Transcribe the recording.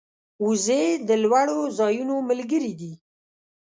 وزې د لوړو ځایونو ملګرې دي